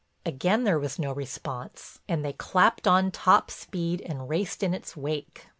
Again there was no response and they clapped on top speed and raced in its wake.